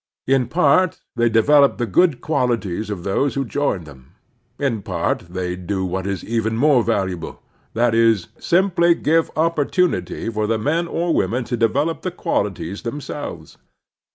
In part they develop the good qualities of those who join them; in part they do what is even more valuable, that is, simply give opporttmity for the men or women to develop the qualities themselves.